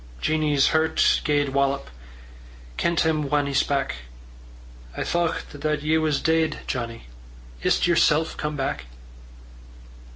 Jeannie's hert gaed wallop, Ken 't him whan he spak': "I thocht that ye was deid, Johnnie: Is't yersel' come back?"